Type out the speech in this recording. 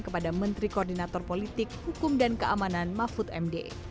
kepada menteri koordinator politik hukum dan keamanan mahfud md